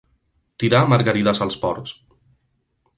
Tirar margarides als porcs.